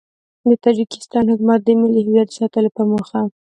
د تاجیکستان حکومت د ملي هویت د ساتلو په موخه